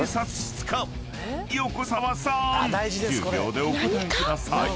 ［横澤さん１０秒でお答えください］